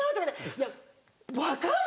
いや分かる？